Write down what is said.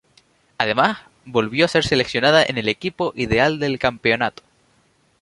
Además, volvió a ser seleccionada en el equipo ideal del campeonato.